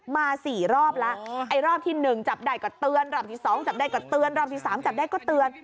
มา๔รอบแล้วไอ้รอบที่๑จับได้ก็เตือนรอบที่๒จับได้ก็เตือนรอบที่๓จับได้ก็เตือน